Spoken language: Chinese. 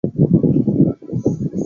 石榕树是桑科榕属的植物。